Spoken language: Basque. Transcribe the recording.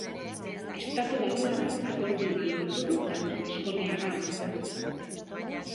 Estatubatuarrak akordioa lortu du talde baskoniarra uzteko.